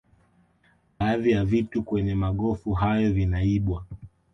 Baadhi ya vitu kwenye magofu hayo vinaibwa